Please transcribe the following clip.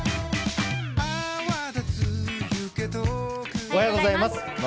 おはようございます。